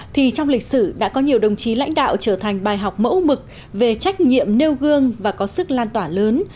thì trong lịch sử đã có nhiều đồng chí lãnh đạo trở thành bài học mẫu mực về trách nhiệm nêu gương và có sức lan tỏa lớn